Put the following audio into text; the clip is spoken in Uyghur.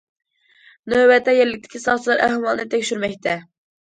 نۆۋەتتە، يەرلىكتىكى ساقچىلار ئەھۋالنى تەكشۈرمەكتە.